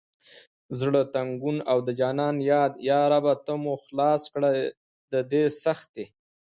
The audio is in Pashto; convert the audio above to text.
زړه تنګون او د جانان یاد یا ربه ته مو خلاص کړه دې سختي…